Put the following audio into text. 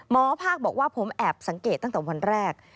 หมอภาคบอกว่าผมแอบสังเกตตั้งแต่วันแรก